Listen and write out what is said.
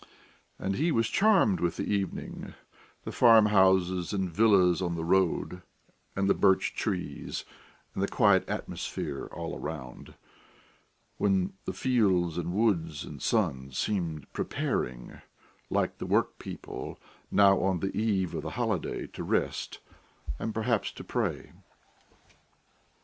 And he was charmed with the evening, the farmhouses and villas on the road, and the birch trees, and the quiet atmosphere all around, when the fields and woods and the sun seemed preparing, like the workpeople now on the eve of the holiday, to rest, and perhaps to pray....